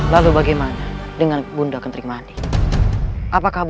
ketika windah ters arabah